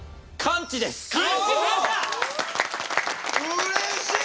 うれしい！